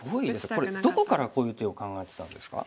これどこからこういう手を考えてたんですか？